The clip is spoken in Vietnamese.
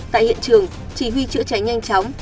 tại hiện trường chỉ huy chữa cháy nhanh chóng